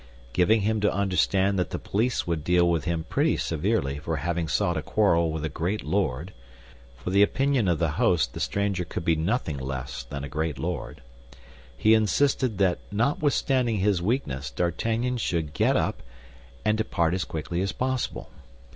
Giving him to understand that the police would deal with him pretty severely for having sought a quarrel with a great lord—for in the opinion of the host the stranger could be nothing less than a great lord—he insisted that notwithstanding his weakness D'Artagnan should get up and depart as quickly as possible.